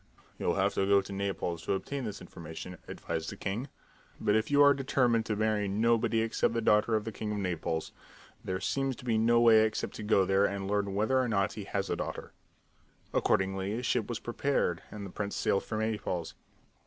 "You'll have to go to Naples to obtain this information," advised the king. "It is a long journey, but if you are determined to marry nobody except the daughter of the king of Naples there seems to be no way except to go there and learn whether or not he has a daughter." Accordingly, a ship was prepared and the prince sailed for Naples.